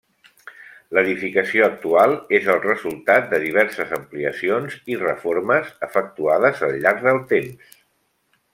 L'edificació actual és el resultat de diverses ampliacions i reformes efectuades al llarg del temps.